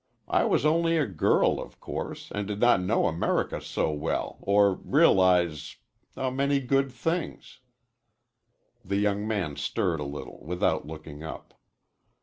I was only a girl, of course, and did not know America so well, or realize a good many things." The young man stirred a little without looking up.